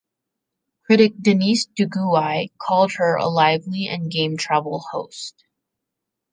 Critic Denise Duguay called her a "lively and game travel host".